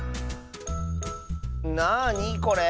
なあにこれ？